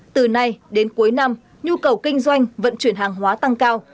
từ nay đến cuối năm nhu cầu kinh doanh vận chuyển hàng hóa tăng cao